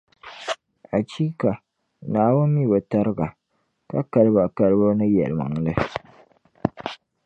Achiika! Naawuni mi bɛ tariga, ka kali ba kalibu ni yɛlimaŋli.